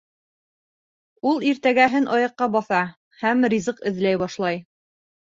Ул иртәгәһен аяҡҡа баҫа һәм ризыҡ эҙләй башлай.